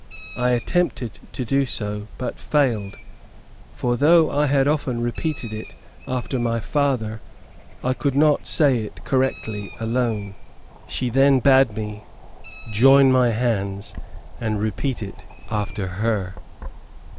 I attempted to do so, but failed, for, though I had often repeated it after my father, I could not say it correctly alone. She then bade me join my hands, and repeat it after her.